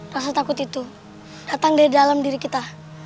rasa takut itu datang dari dalam diri kita